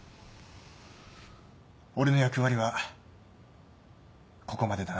俺の役割はここまでだな。